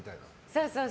そう、そう。